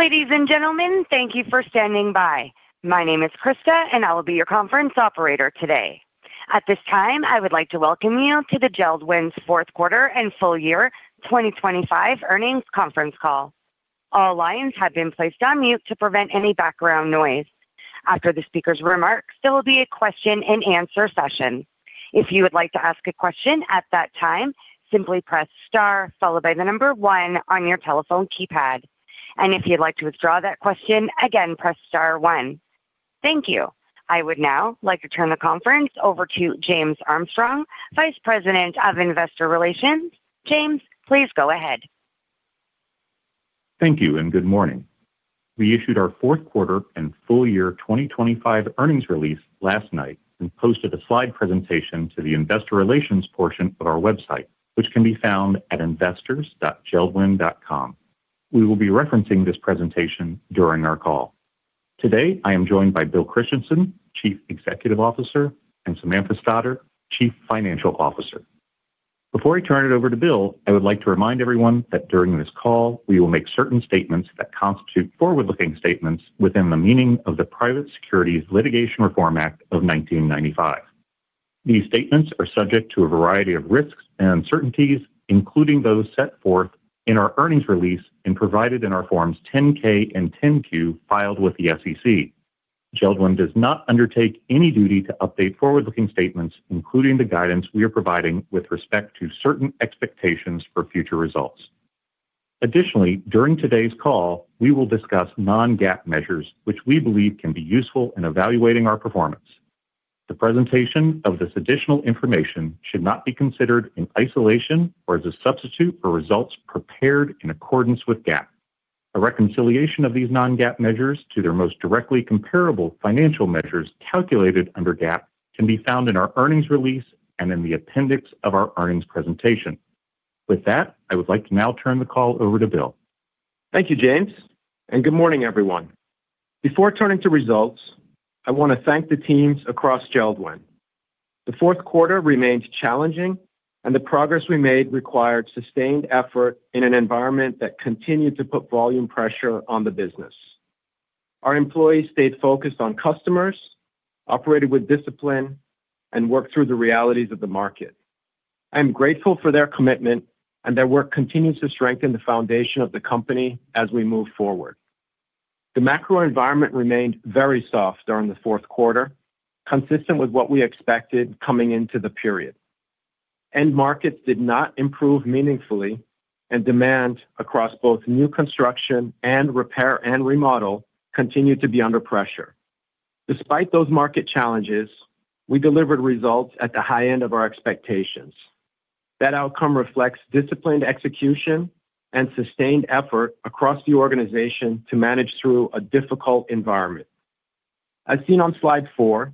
Ladies and gentlemen, thank you for standing by. My name is Krista, and I will be your conference operator today. At this time, I would like to welcome you to the JELD-WEN's fourth quarter and full year 2025 earnings conference call. All lines have been placed on mute to prevent any background noise. After the speaker's remarks, there will be a question-and-answer session. If you would like to ask a question at that time, simply press star followed by the number one on your telephone keypad. If you'd like to withdraw that question again, press star one. Thank you. I would now like to turn the conference over to James Armstrong, Vice President of Investor Relations. James, please go ahead. Thank you, and good morning. We issued our fourth quarter and full year 2025 earnings release last night and posted a slide presentation to the investor relations portion of our website, which can be found at investors.jeld-wen.com. We will be referencing this presentation during our call. Today, I am joined by Bill Christensen, Chief Executive Officer, and Samantha Stoddard, Chief Financial Officer. Before I turn it over to Bill, I would like to remind everyone that during this call, we will make certain statements that constitute forward-looking statements within the meaning of the Private Securities Litigation Reform Act of 1995. These statements are subject to a variety of risks and uncertainties, including those set forth in our earnings release and provided in our Forms 10-K and 10-Q filed with the SEC. JELD-WEN does not undertake any duty to update forward-looking statements, including the guidance we are providing with respect to certain expectations for future results. Additionally, during today's call, we will discuss non-GAAP measures, which we believe can be useful in evaluating our performance. The presentation of this additional information should not be considered in isolation or as a substitute for results prepared in accordance with GAAP. A reconciliation of these non-GAAP measures to their most directly comparable financial measures calculated under GAAP can be found in our earnings release and in the appendix of our earnings presentation. With that, I would like to now turn the call over to Bill. Thank you, James, and good morning, everyone. Before turning to results, I want to thank the teams across JELD-WEN. The fourth quarter remained challenging, and the progress we made required sustained effort in an environment that continued to put volume pressure on the business. Our employees stayed focused on customers, operated with discipline, and worked through the realities of the market. I'm grateful for their commitment, and their work continues to strengthen the foundation of the company as we move forward. The macro environment remained very soft during the fourth quarter, consistent with what we expected coming into the period. End markets did not improve meaningfully, and demand across both new construction and repair and remodel continued to be under pressure. Despite those market challenges, we delivered results at the high end of our expectations. That outcome reflects disciplined execution and sustained effort across the organization to manage through a difficult environment. As seen on slide 4,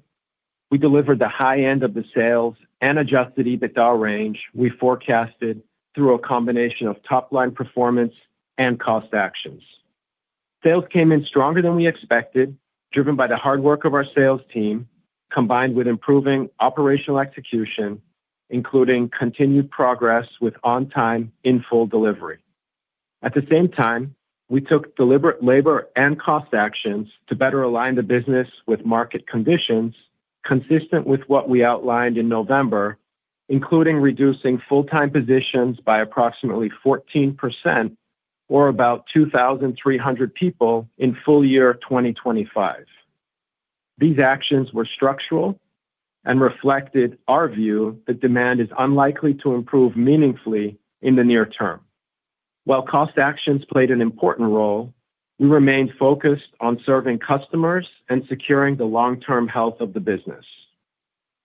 we delivered the high end of the sales and adjusted EBITDA range we forecasted through a combination of top-line performance and cost actions. Sales came in stronger than we expected, driven by the hard work of our sales team, combined with improving operational execution, including continued progress with on-time, in-full delivery. At the same time, we took deliberate labor and cost actions to better align the business with market conditions consistent with what we outlined in November, including reducing full-time positions by approximately 14% or about 2,300 people in full year 2025. These actions were structural and reflected our view that demand is unlikely to improve meaningfully in the near term. While cost actions played an important role, we remained focused on serving customers and securing the long-term health of the business.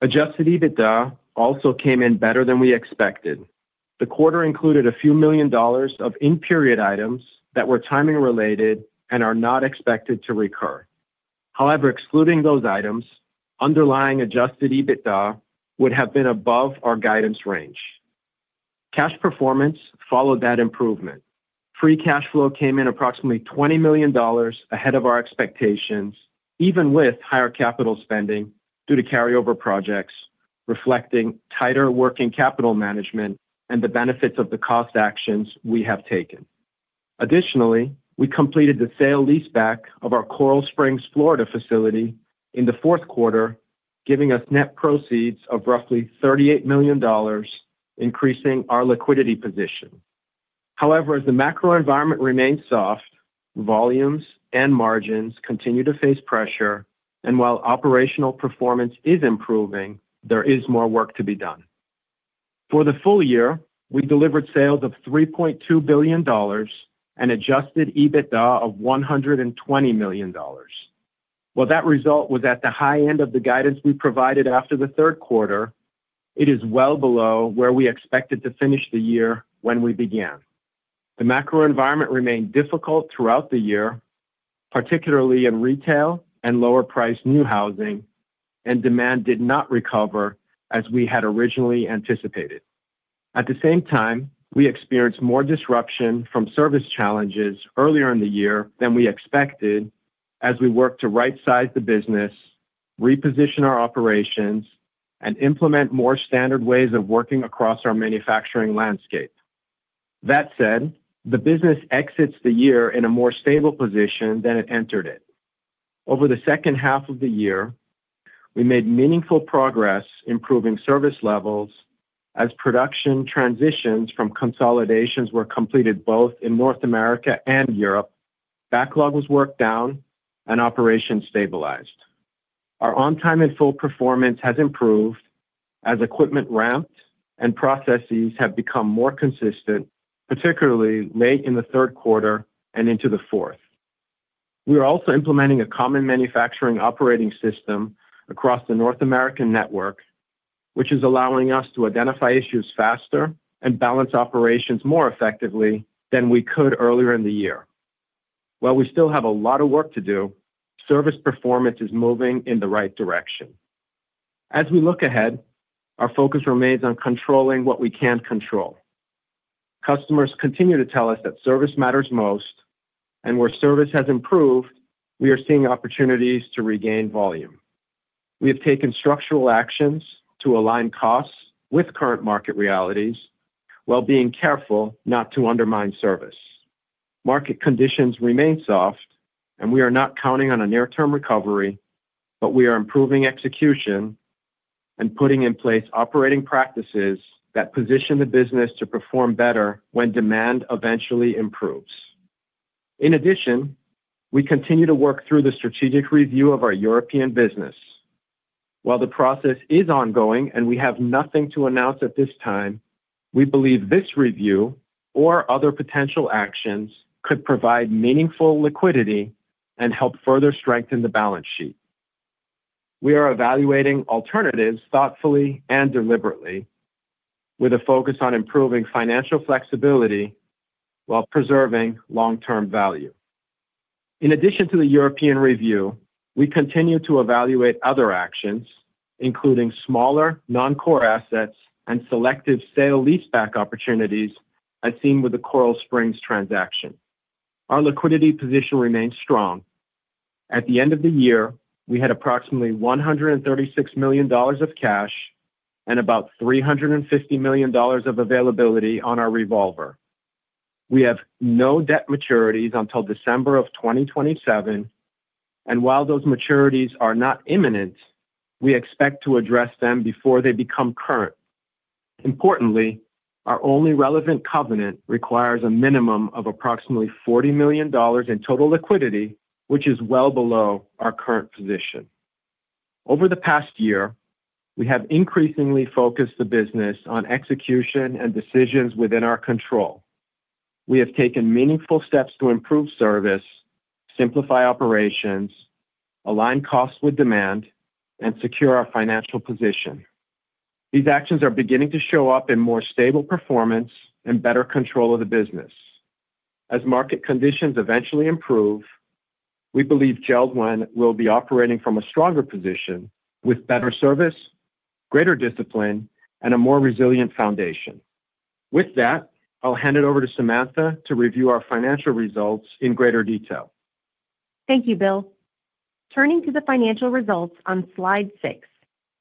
Adjusted EBITDA also came in better than we expected. The quarter included a few million dollars of in-period items that were timing related and are not expected to recur. However, excluding those items, underlying adjusted EBITDA would have been above our guidance range. Cash performance followed that improvement. Free cash flow came in approximately $20 million ahead of our expectations, even with higher capital spending due to carryover projects, reflecting tighter working capital management and the benefits of the cost actions we have taken. Additionally, we completed the sale-leaseback of our Coral Springs, Florida, facility in the fourth quarter, giving us net proceeds of roughly $38 million, increasing our liquidity position. However, as the macro environment remains soft, volumes and margins continue to face pressure, and while operational performance is improving, there is more work to be done. For the full year, we delivered sales of $3.2 billion and adjusted EBITDA of $120 million. While that result was at the high end of the guidance we provided after the third quarter, it is well below where we expected to finish the year when we began. The macro environment remained difficult throughout the year, particularly in retail and lower-priced new housing, and demand did not recover as we had originally anticipated. At the same time, we experienced more disruption from service challenges earlier in the year than we expected as we worked to rightsize the business, reposition our operations, and implement more standard ways of working across our manufacturing landscape. That said, the business exits the year in a more stable position than it entered it. Over the second half of the year, we made meaningful progress improving service levels as production transitions from consolidations were completed both in North America and Europe, backlog was worked down, and operations stabilized. Our on-time and full performance has improved as equipment ramped and processes have become more consistent, particularly late in the third quarter and into the fourth. We are also implementing a common manufacturing operating system across the North American network, which is allowing us to identify issues faster and balance operations more effectively than we could earlier in the year. While we still have a lot of work to do, service performance is moving in the right direction. As we look ahead, our focus remains on controlling what we can control. Customers continue to tell us that service matters most, and where service has improved, we are seeing opportunities to regain volume. We have taken structural actions to align costs with current market realities while being careful not to undermine service. Market conditions remain soft, and we are not counting on a near-term recovery, but we are improving execution and putting in place operating practices that position the business to perform better when demand eventually improves. In addition, we continue to work through the strategic review of our European business. While the process is ongoing and we have nothing to announce at this time, we believe this review or other potential actions could provide meaningful liquidity and help further strengthen the balance sheet. We are evaluating alternatives thoughtfully and deliberately, with a focus on improving financial flexibility while preserving long-term value. In addition to the European review, we continue to evaluate other actions, including smaller non-core assets and selective sale-leaseback opportunities, as seen with the Coral Springs transaction. Our liquidity position remains strong. At the end of the year, we had approximately $136 million of cash and about $350 million of availability on our revolver. We have no debt maturities until December 2027, and while those maturities are not imminent, we expect to address them before they become current. Importantly, our only relevant covenant requires a minimum of approximately $40 million in total liquidity, which is well below our current position. Over the past year, we have increasingly focused the business on execution and decisions within our control. We have taken meaningful steps to improve service, simplify operations, align costs with demand, and secure our financial position. These actions are beginning to show up in more stable performance and better control of the business. As market conditions eventually improve, we believe JELD-WEN will be operating from a stronger position with better service, greater discipline, and a more resilient foundation. With that, I'll hand it over to Samantha to review our financial results in greater detail. Thank you, Bill. Turning to the financial results on slide 6,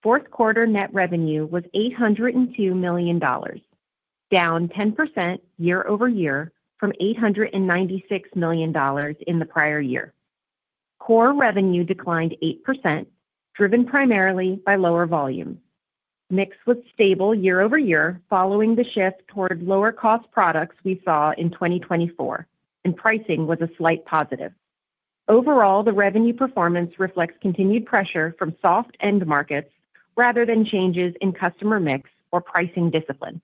fourth quarter net revenue was $802 million, down 10% year-over-year from $896 million in the prior year. Core revenue declined 8%, driven primarily by lower volume. Mix was stable year-over-year, following the shift toward lower-cost products we saw in 2024, and pricing was a slight positive. Overall, the revenue performance reflects continued pressure from soft end markets rather than changes in customer mix or pricing discipline.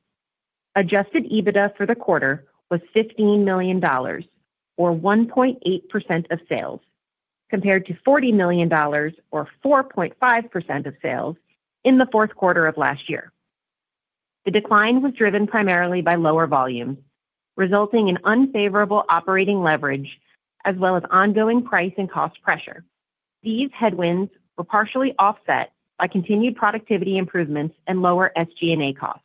Adjusted EBITDA for the quarter was $15 million, or 1.8% of sales, compared to $40 million or 4.5% of sales in the fourth quarter of last year. The decline was driven primarily by lower volume, resulting in unfavorable operating leverage as well as ongoing price and cost pressure. These headwinds were partially offset by continued productivity improvements and lower SG&A costs.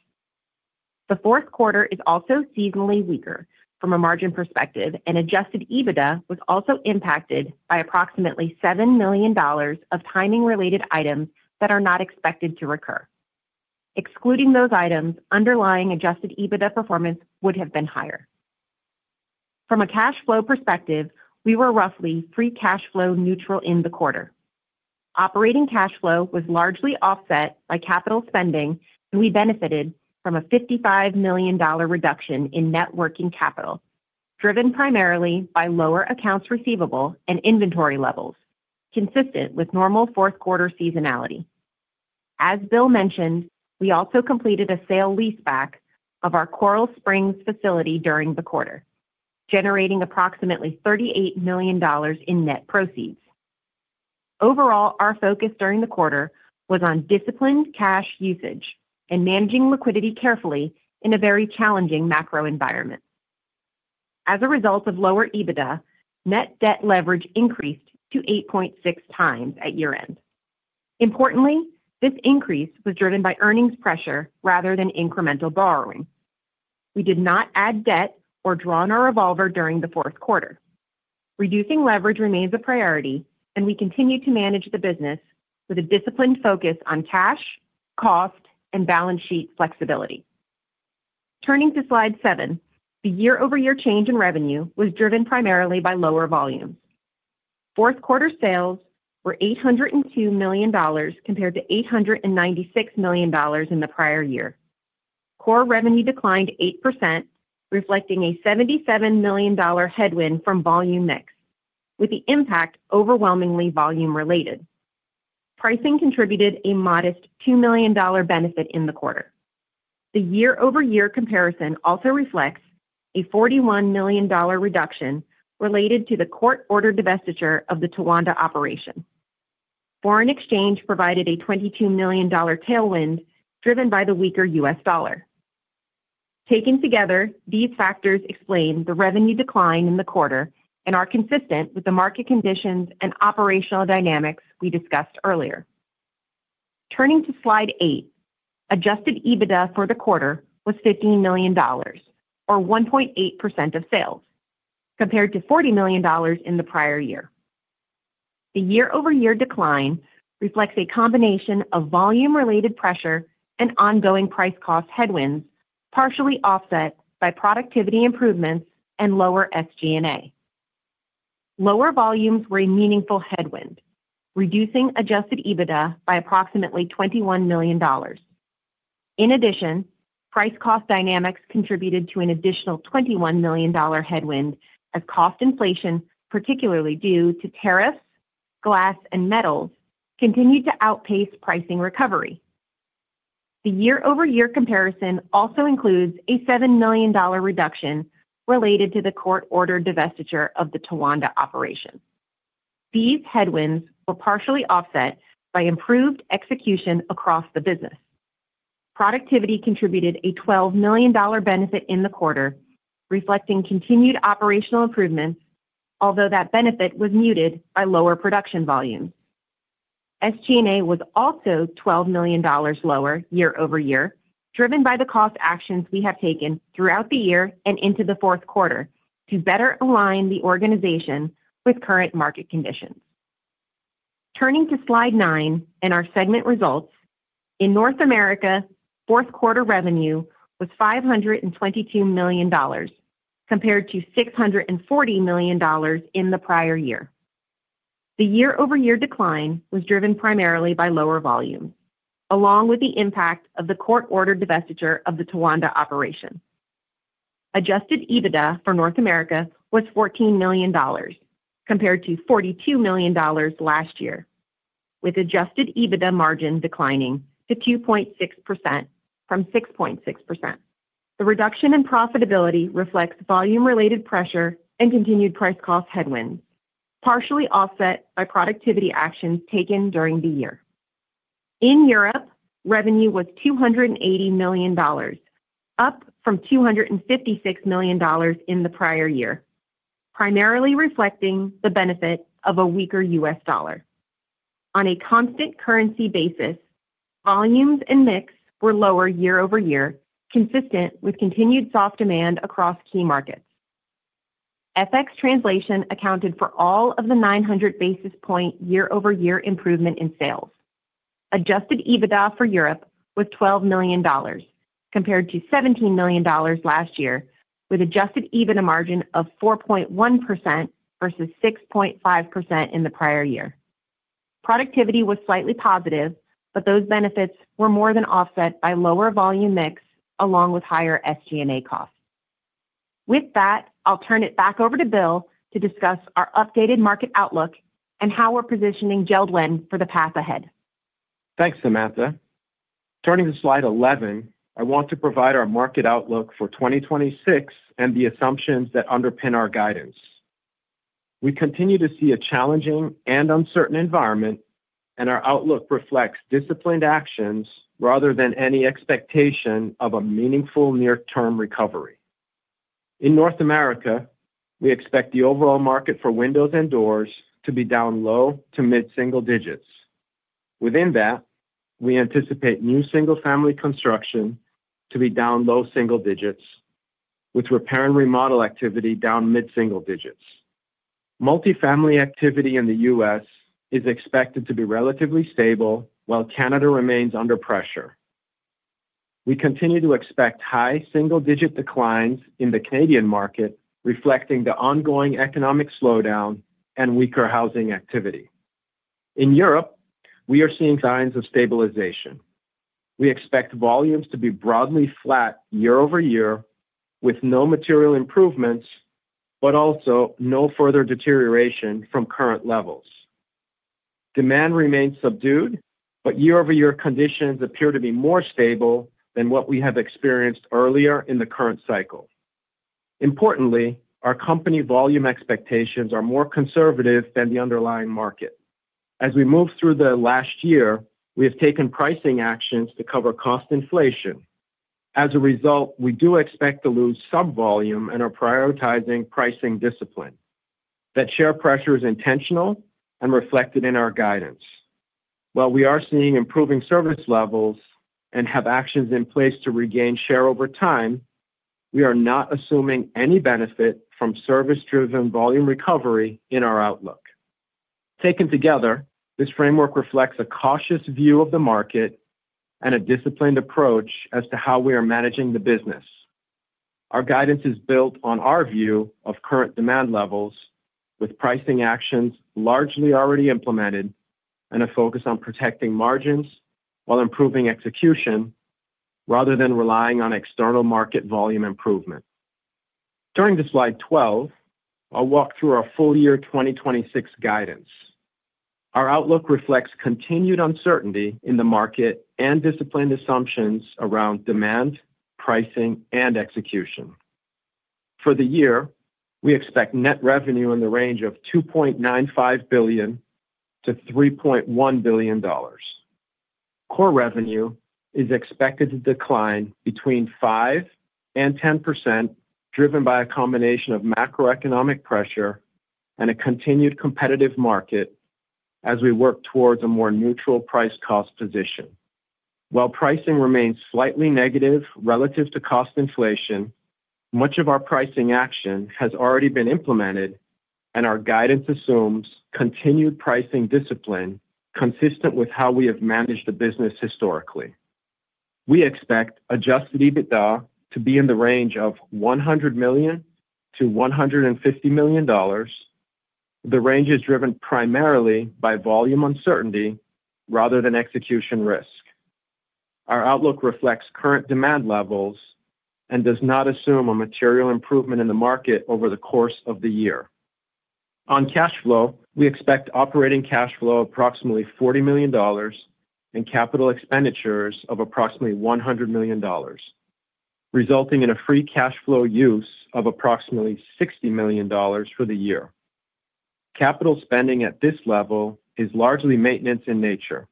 The fourth quarter is also seasonally weaker from a margin perspective, and adjusted EBITDA was also impacted by approximately $7 million of timing-related items that are not expected to recur. Excluding those items, underlying adjusted EBITDA performance would have been higher. From a cash flow perspective, we were roughly free cash flow neutral in the quarter. Operating cash flow was largely offset by capital spending, and we benefited from a $55 million reduction in net working capital, driven primarily by lower accounts receivable and inventory levels, consistent with normal fourth quarter seasonality. As Bill mentioned, we also completed a sale-leaseback of our Coral Springs facility during the quarter, generating approximately $38 million in net proceeds. Overall, our focus during the quarter was on disciplined cash usage and managing liquidity carefully in a very challenging macro environment. As a result of lower EBITDA, net debt leverage increased to 8.6x at year-end. Importantly, this increase was driven by earnings pressure rather than incremental borrowing. We did not add debt or draw on our revolver during the fourth quarter. Reducing leverage remains a priority, and we continue to manage the business with a disciplined focus on cash, cost, and balance sheet flexibility. Turning to slide 7, the year-over-year change in revenue was driven primarily by lower volumes. Fourth quarter sales were $802 million, compared to $896 million in the prior year. Core revenue declined 8%, reflecting a $77 million headwind from volume mix, with the impact overwhelmingly volume-related. Pricing contributed a modest $2 million benefit in the quarter. The year-over-year comparison also reflects a $41 million reduction related to the court-ordered divestiture of the Towanda operation. Foreign exchange provided a $22 million tailwind, driven by the weaker US dollar. Taken together, these factors explain the revenue decline in the quarter and are consistent with the market conditions and operational dynamics we discussed earlier. Turning to slide 8, adjusted EBITDA for the quarter was $15 million or 1.8% of sales, compared to $40 million in the prior year. The year-over-year decline reflects a combination of volume-related pressure and ongoing price-cost headwinds, partially offset by productivity improvements and lower SG&A. Lower volumes were a meaningful headwind, reducing adjusted EBITDA by approximately $21 million. In addition, price-cost dynamics contributed to an additional $21 million headwind, as cost inflation, particularly due to tariffs, glass, and metals, continued to outpace pricing recovery. The year-over-year comparison also includes a $7 million reduction related to the court-ordered divestiture of the Towanda operation. These headwinds were partially offset by improved execution across the business. Productivity contributed a $12 million benefit in the quarter, reflecting continued operational improvements, although that benefit was muted by lower production volumes. SG&A was also $12 million lower year-over-year, driven by the cost actions we have taken throughout the year and into the fourth quarter to better align the organization with current market conditions. Turning to slide 9, in our segment results, in North America, fourth quarter revenue was $522 million, compared to $640 million in the prior year. The year-over-year decline was driven primarily by lower volume, along with the impact of the court-ordered divestiture of the Towanda operation. Adjusted EBITDA for North America was $14 million, compared to $42 million last year, with adjusted EBITDA margin declining to 2.6% from 6.6%. The reduction in profitability reflects volume-related pressure and continued price-cost headwinds, partially offset by productivity actions taken during the year. In Europe, revenue was $280 million, up from $256 million in the prior year, primarily reflecting the benefit of a weaker US dollar. On a constant currency basis, volumes and mix were lower year-over-year, consistent with continued soft demand across key markets. FX translation accounted for all of the 900 basis point year-over-year improvement in sales. Adjusted EBITDA for Europe was $12 million, compared to $17 million last year, with adjusted EBITDA margin of 4.1% versus 6.5% in the prior year. Productivity was slightly positive, but those benefits were more than offset by lower volume mix, along with higher SG&A costs. With that, I'll turn it back over to Bill to discuss our updated market outlook and how we're positioning JELD-WEN for the path ahead. Thanks, Samantha. Turning to slide 11, I want to provide our market outlook for 2026 and the assumptions that underpin our guidance. We continue to see a challenging and uncertain environment, and our outlook reflects disciplined actions rather than any expectation of a meaningful near-term recovery. In North America, we expect the overall market for windows and doors to be down low- to mid-single digits. Within that, we anticipate new single-family construction to be down low single digits, with repair and remodel activity down mid-single digits. Multifamily activity in the U.S. is expected to be relatively stable, while Canada remains under pressure. We continue to expect high single-digit declines in the Canadian market, reflecting the ongoing economic slowdown and weaker housing activity. In Europe, we are seeing signs of stabilization. We expect volumes to be broadly flat year-over-year, with no material improvements, but also no further deterioration from current levels. Demand remains subdued, but year-over-year conditions appear to be more stable than what we have experienced earlier in the current cycle. Importantly, our company volume expectations are more conservative than the underlying market. As we move through the last year, we have taken pricing actions to cover cost inflation. As a result, we do expect to lose some volume and are prioritizing pricing discipline. That share pressure is intentional and reflected in our guidance. While we are seeing improving service levels and have actions in place to regain share over time, we are not assuming any benefit from service-driven volume recovery in our outlook. Taken together, this framework reflects a cautious view of the market and a disciplined approach as to how we are managing the business. Our guidance is built on our view of current demand levels, with pricing actions largely already implemented and a focus on protecting margins while improving execution, rather than relying on external market volume improvement. Turning to slide 12, I'll walk through our full year 2026 guidance. Our outlook reflects continued uncertainty in the market and disciplined assumptions around demand, pricing, and execution. For the year, we expect net revenue in the range of $2.95 billion-$3.1 billion. Core revenue is expected to decline between 5% and 10%, driven by a combination of macroeconomic pressure and a continued competitive market as we work towards a more neutral price-cost position. While pricing remains slightly negative relative to cost inflation, much of our pricing action has already been implemented, and our guidance assumes continued pricing discipline, consistent with how we have managed the business historically. We expect adjusted EBITDA to be in the range of $100 million-$150 million. The range is driven primarily by volume uncertainty rather than execution risk. Our outlook reflects current demand levels and does not assume a material improvement in the market over the course of the year. On cash flow, we expect operating cash flow approximately $40 million and capital expenditures of approximately $100 million, resulting in a free cash flow use of approximately $60 million for the year. Capital spending at this level is largely maintenance in nature.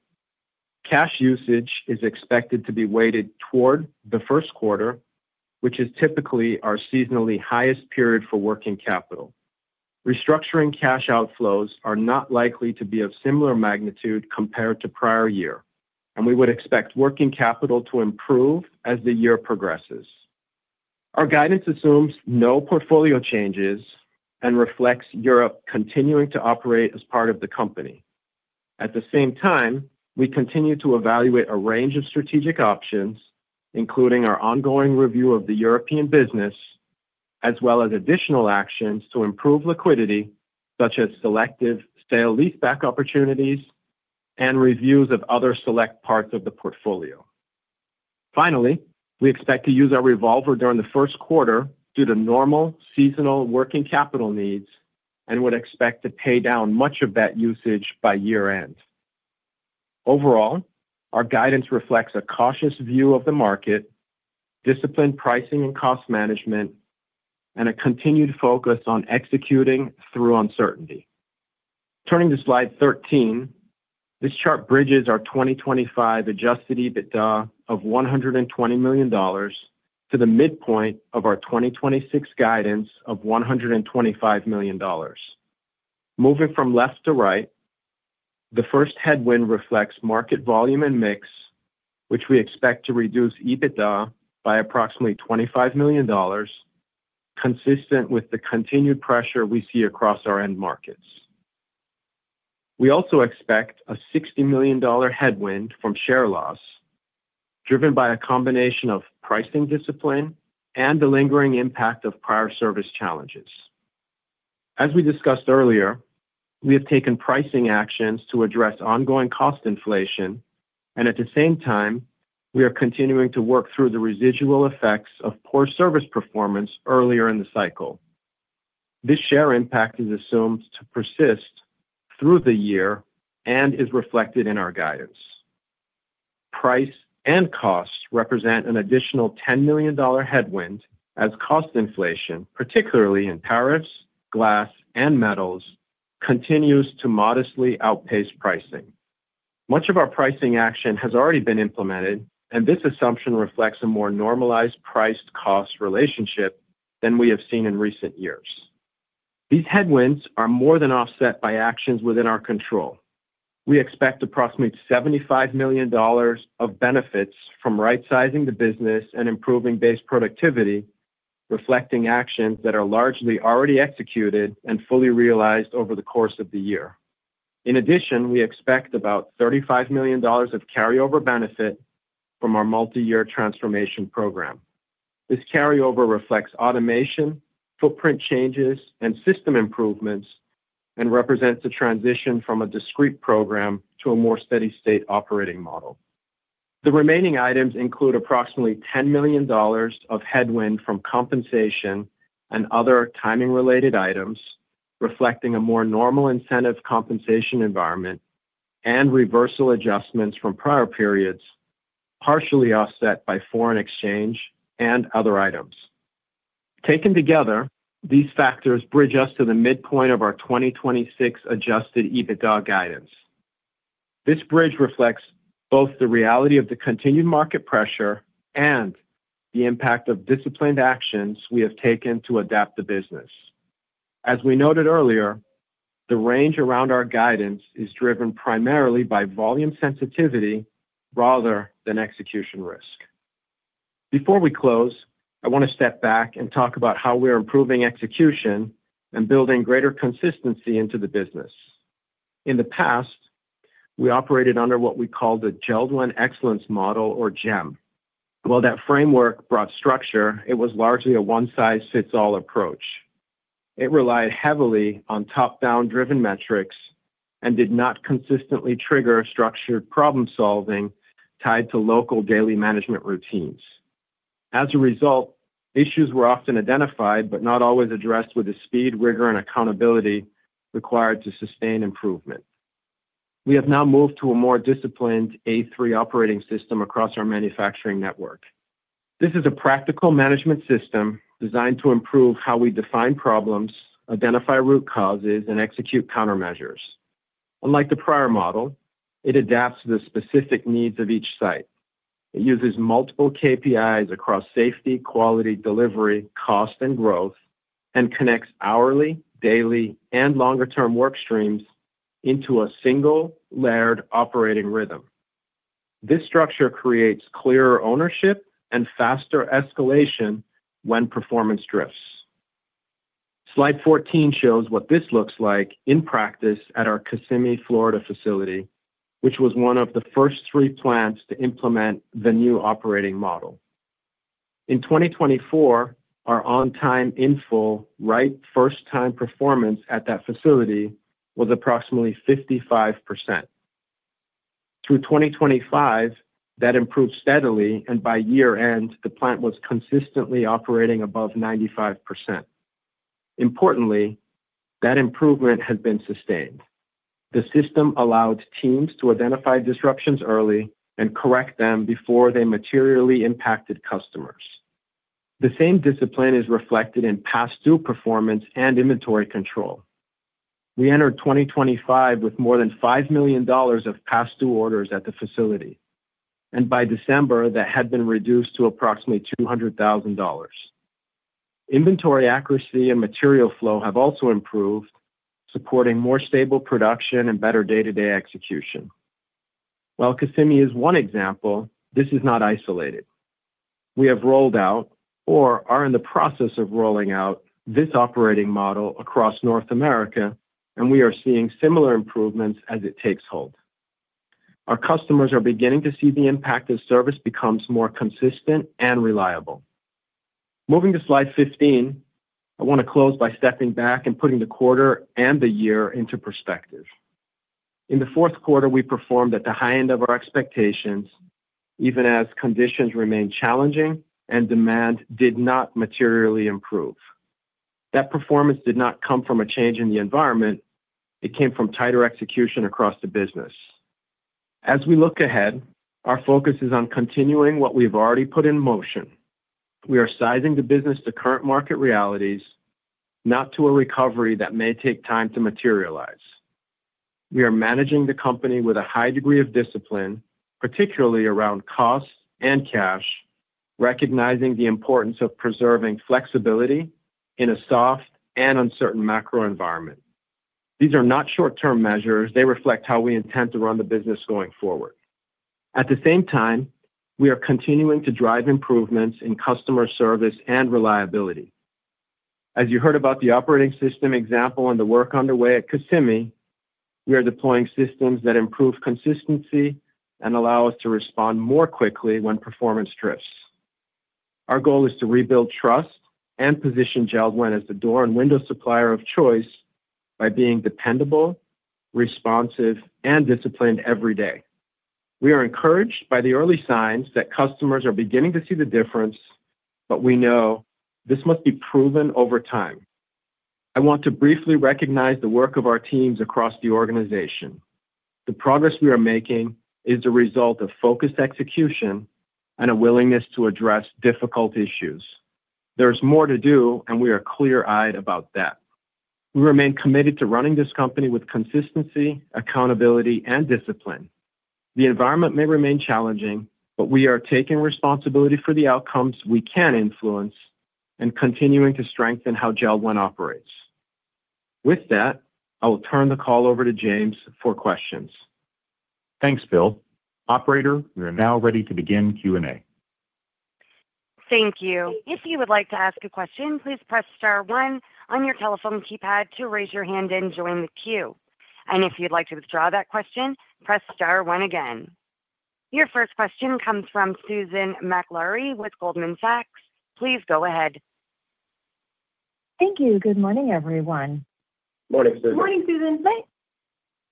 Cash usage is expected to be weighted toward the first quarter, which is typically our seasonally highest period for working capital. Restructuring cash outflows are not likely to be of similar magnitude compared to prior year, and we would expect working capital to improve as the year progresses. Our guidance assumes no portfolio changes and reflects Europe continuing to operate as part of the company. At the same time, we continue to evaluate a range of strategic options, including our ongoing review of the European business, as well as additional actions to improve liquidity, such as selective sale-leaseback opportunities and reviews of other select parts of the portfolio. Finally, we expect to use our revolver during the first quarter due to normal seasonal working capital needs and would expect to pay down much of that usage by year-end. Overall, our guidance reflects a cautious view of the market, disciplined pricing and cost management, and a continued focus on executing through uncertainty. Turning to slide 13, this chart bridges our 2025 adjusted EBITDA of $120 million to the midpoint of our 2026 guidance of $125 million. Moving from left to right, the first headwind reflects market volume and mix, which we expect to reduce EBITDA by approximately $25 million, consistent with the continued pressure we see across our end markets. We also expect a $60 million headwind from share loss, driven by a combination of pricing discipline and the lingering impact of prior service challenges. As we discussed earlier, we have taken pricing actions to address ongoing cost inflation, and at the same time, we are continuing to work through the residual effects of poor service performance earlier in the cycle. This share impact is assumed to persist through the year and is reflected in our guidance. Price and costs represent an additional $10 million headwind as cost inflation, particularly in tariffs, glass, and metals, continues to modestly outpace pricing. Much of our pricing action has already been implemented, and this assumption reflects a more normalized price-cost relationship than we have seen in recent years. These headwinds are more than offset by actions within our control. We expect approximately $75 million of benefits from rightsizing the business and improving base productivity, reflecting actions that are largely already executed and fully realized over the course of the year. In addition, we expect about $35 million of carryover benefit from our multiyear transformation program. This carryover reflects automation, footprint changes, and system improvements, and represents a transition from a discrete program to a more steady state operating model. The remaining items include approximately $10 million of headwind from compensation and other timing-related items, reflecting a more normal incentive compensation environment and reversal adjustments from prior periods, partially offset by foreign exchange and other items. Taken together, these factors bridge us to the midpoint of our 2026 adjusted EBITDA guidance. This bridge reflects both the reality of the continued market pressure and the impact of disciplined actions we have taken to adapt the business.... As we noted earlier, the range around our guidance is driven primarily by volume sensitivity rather than execution risk. Before we close, I want to step back and talk about how we are improving execution and building greater consistency into the business. In the past, we operated under what we called the JELD-WEN Excellence Model, or JEM. While that framework brought structure, it was largely a one-size-fits-all approach. It relied heavily on top-down driven metrics and did not consistently trigger structured problem-solving tied to local daily management routines. As a result, issues were often identified but not always addressed with the speed, rigor, and accountability required to sustain improvement. We have now moved to a more disciplined A3 Operating System across our manufacturing network. This is a practical management system designed to improve how we define problems, identify root causes, and execute countermeasures. Unlike the prior model, it adapts to the specific needs of each site. It uses multiple KPIs across safety, quality, delivery, cost, and growth, and connects hourly, daily, and longer-term work streams into a single layered operating rhythm. This structure creates clearer ownership and faster escalation when performance drifts. Slide 14 shows what this looks like in practice at our Kissimmee, Florida, facility, which was one of the first three plants to implement the new operating model. In 2024, our on-time, in-full, right first-time performance at that facility was approximately 55%. Through 2025, that improved steadily, and by year-end, the plant was consistently operating above 95%. Importantly, that improvement has been sustained. The system allowed teams to identify disruptions early and correct them before they materially impacted customers. The same discipline is reflected in past due performance and inventory control. We entered 2025 with more than $5 million of past due orders at the facility, and by December, that had been reduced to approximately $200,000. Inventory accuracy and material flow have also improved, supporting more stable production and better day-to-day execution. While Kissimmee is one example, this is not isolated. We have rolled out or are in the process of rolling out this operating model across North America, and we are seeing similar improvements as it takes hold. Our customers are beginning to see the impact as service becomes more consistent and reliable. Moving to slide 15, I want to close by stepping back and putting the quarter and the year into perspective. In the fourth quarter, we performed at the high end of our expectations, even as conditions remained challenging and demand did not materially improve. That performance did not come from a change in the environment. It came from tighter execution across the business. As we look ahead, our focus is on continuing what we've already put in motion. We are sizing the business to current market realities, not to a recovery that may take time to materialize. We are managing the company with a high degree of discipline, particularly around costs and cash, recognizing the importance of preserving flexibility in a soft and uncertain macro environment. These are not short-term measures. They reflect how we intend to run the business going forward. At the same time, we are continuing to drive improvements in customer service and reliability. As you heard about the operating system example and the work underway at Kissimmee, we are deploying systems that improve consistency and allow us to respond more quickly when performance drifts. Our goal is to rebuild trust and position JELD-WEN as the door and window supplier of choice by being dependable, responsive, and disciplined every day. We are encouraged by the early signs that customers are beginning to see the difference, but we know this must be proven over time. I want to briefly recognize the work of our teams across the organization. The progress we are making is a result of focused execution and a willingness to address difficult issues. There is more to do, and we are clear-eyed about that. We remain committed to running this company with consistency, accountability, and discipline. The environment may remain challenging, but we are taking responsibility for the outcomes we can influence and continuing to strengthen how JELD-WEN operates. With that, I will turn the call over to James for questions. Thanks, Bill. Operator, we are now ready to begin Q&A. Thank you. If you would like to ask a question, please press star one on your telephone keypad to raise your hand and join the queue. And if you'd like to withdraw that question, press star one again. Your first question comes from Susan Maklari with Goldman Sachs. Please go ahead. Thank you. Good morning, everyone. Morning, Susan. Morning, Susan.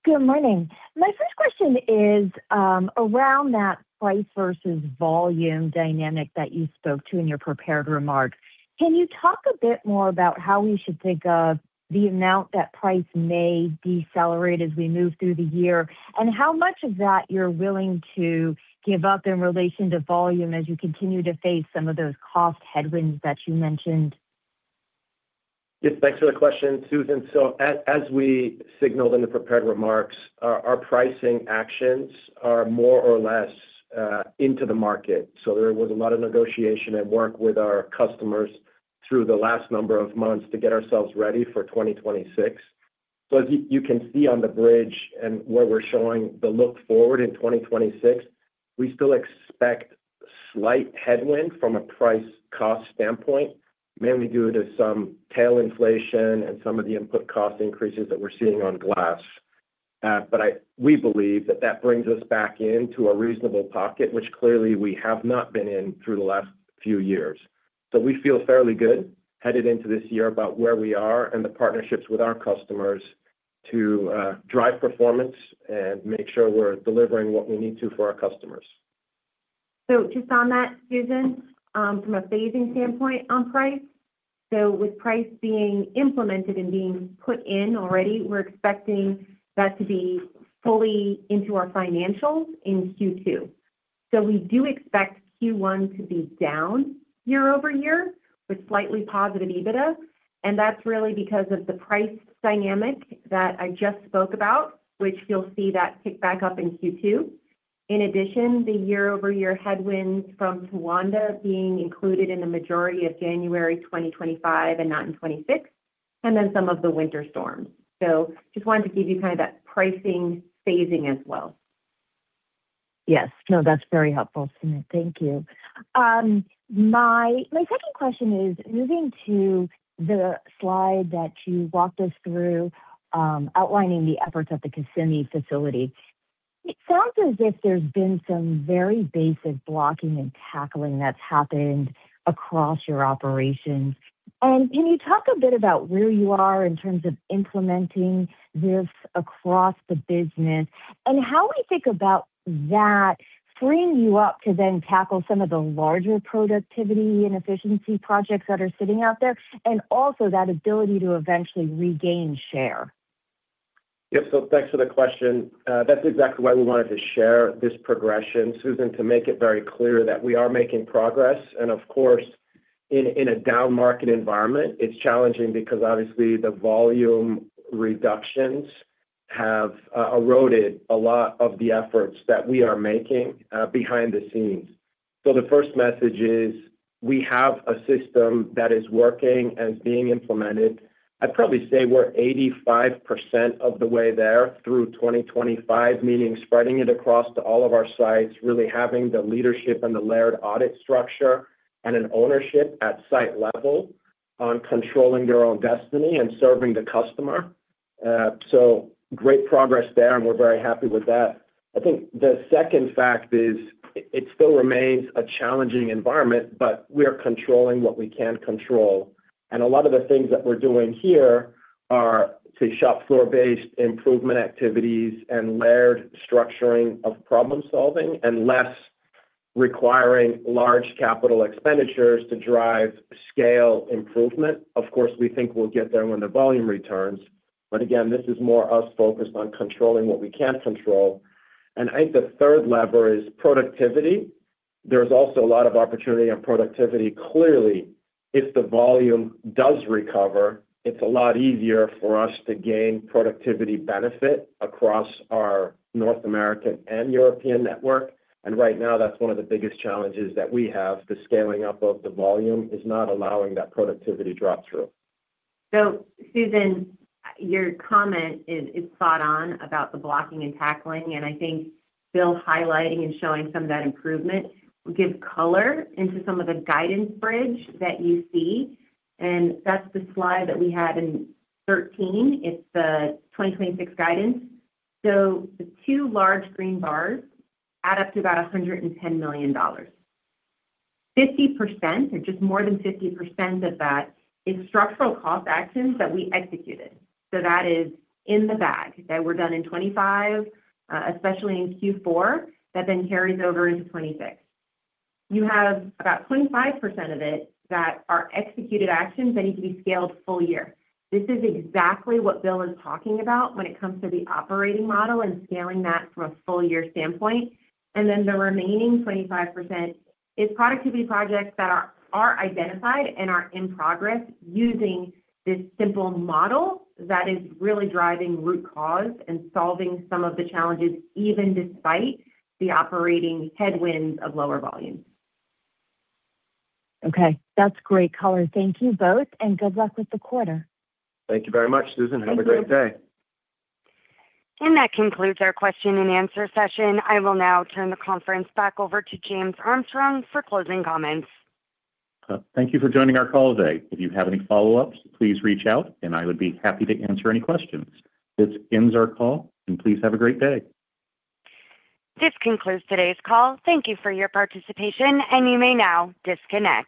Good morning. My first question is around that price versus volume dynamic that you spoke to in your prepared remarks. Can you talk a bit more about how we should think of the amount that price may decelerate as we move through the year, and how much of that you're willing to give up in relation to volume as you continue to face some of those cost headwinds that you mentioned? Yes, thanks for the question, Susan. So as we signaled in the prepared remarks, our pricing actions are more or less into the market. So there was a lot of negotiation and work with our customers through the last number of months to get ourselves ready for 2026. So as you can see on the bridge and where we're showing the look forward in 2026, we still expect slight headwind from a price-cost standpoint, mainly due to some tail inflation and some of the input cost increases that we're seeing on glass. But we believe that that brings us back into a reasonable pocket, which clearly we have not been in through the last few years. So we feel fairly good headed into this year about where we are and the partnerships with our customers to drive performance and make sure we're delivering what we need to for our customers. So just on that, Susan, from a phasing standpoint on price. So with price being implemented and being put in already, we're expecting that to be fully into our financials in Q2. So we do expect Q1 to be down year-over-year with slightly positive EBITDA, and that's really because of the price dynamic that I just spoke about, which you'll see that pick back up in Q2. In addition, the year-over-year headwinds from Towanda being included in the majority of January 2025 and not in 2026, and then some of the winter storms. So just wanted to give you kind of that pricing phasing as well. Yes. No, that's very helpful, Samantha. Thank you. My second question is, moving to the slide that you walked us through, outlining the efforts at the Kissimmee facility. It sounds as if there's been some very basic blocking and tackling that's happened across your operations. And can you talk a bit about where you are in terms of implementing this across the business? And how we think about that freeing you up to then tackle some of the larger productivity and efficiency projects that are sitting out there, and also that ability to eventually regain share. Yep. So thanks for the question. That's exactly why we wanted to share this progression, Susan, to make it very clear that we are making progress. And of course, in a down market environment, it's challenging because obviously the volume reductions have eroded a lot of the efforts that we are making behind the scenes. So the first message is, we have a system that is working and being implemented. I'd probably say we're 85% of the way there through 2025, meaning spreading it across to all of our sites, really having the leadership and the layered audit structure and an ownership at site level on controlling their own destiny and serving the customer. So great progress there, and we're very happy with that. I think the second fact is, it still remains a challenging environment, but we are controlling what we can control. And a lot of the things that we're doing here are say, shop floor-based improvement activities and layered structuring of problem-solving, and less requiring large capital expenditures to drive scale improvement. Of course, we think we'll get there when the volume returns, but again, this is more us focused on controlling what we can control. And I think the third lever is productivity. There's also a lot of opportunity on productivity. Clearly, if the volume does recover, it's a lot easier for us to gain productivity benefit across our North American and European network. And right now, that's one of the biggest challenges that we have. The scaling up of the volume is not allowing that productivity drop through. So Susan, your comment is spot on about the blocking and tackling, and I think Bill highlighting and showing some of that improvement gives color into some of the guidance bridge that you see. And that's the slide that we had in 13. It's the 2026 guidance. So the two large green bars add up to about $110 million. 50%, or just more than 50% of that, is structural cost actions that we executed. So that is in the bag, that were done in 2025, especially in Q4, that then carries over into 2026. You have about 25% of it that are executed actions that need to be scaled full year. This is exactly what Bill is talking about when it comes to the operating model and scaling that from a full year standpoint. And then the remaining 25% is productivity projects that are identified and are in progress using this simple model that is really driving root cause and solving some of the challenges, even despite the operating headwinds of lower volume. Okay. That's great color. Thank you both, and good luck with the quarter. Thank you very much, Susan. Thank you. Have a great day. That concludes our question-and-answer session. I will now turn the conference back over to James Armstrong for closing comments. Thank you for joining our call today. If you have any follow-ups, please reach out, and I would be happy to answer any questions. This ends our call, and please have a great day. This concludes today's call. Thank you for your participation, and you may now disconnect.